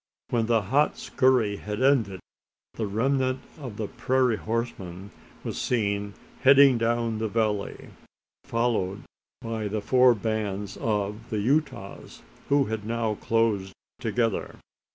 When the hot skurry had ended, the remnant of the prairie horsemen was seen heading down the valley, followed by the four bands of the Utahs who had now closed together.